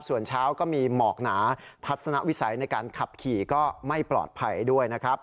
ส่วนเช้าก็มีหมอกหนาทัศนวิสัยในการขับขี่ก็ไม่ปลอดภัยด้วยนะครับ